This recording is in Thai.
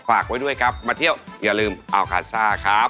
ฝากไว้ด้วยครับมาเที่ยวอย่าลืมอัลคาซ่าครับ